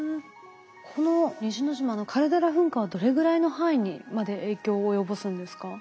この西之島のカルデラ噴火はどれぐらいの範囲にまで影響を及ぼすんですか？